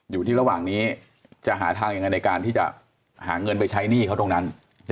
อยู่ที่ระหว่างนี้จะหาทางยังไงในการที่จะหาเงินไปใช้หนี้เขาตรงนั้น